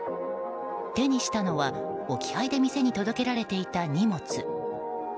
手にしたのは、置き配で店に届けられていた荷物。